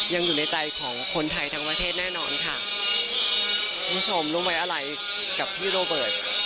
อยู่ในใจของคนไทยทั้งประเทศแน่นอนค่ะคุณผู้ชมร่วมไว้อะไรกับพี่โรเบิร์ต